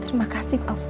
terima kasih pak ustaz